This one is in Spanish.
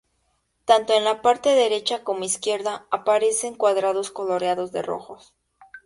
Tanto en la parte derecha como izquierda, aparecen cuadrados coloreados de rojo.